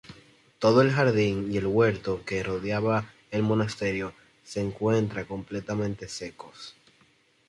Todo el jardín y el huerto que rodeaba el monasterio se encuentran completamente secos.